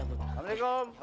aku mau kemurah ya